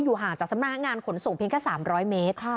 ห่างจากสำนักงานขนส่งเพียงแค่๓๐๐เมตร